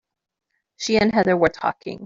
She and Heather were talking.